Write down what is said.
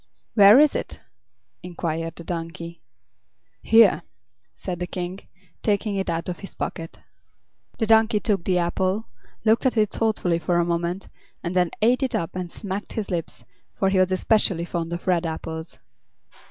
"Where is it?" inquired the donkey. "Here," said the King, taking it out of his pocket. The donkey took the apple, looked at it thoughtfully for a moment, and then ate it up and smacked his lips, for he was especially fond of red apples.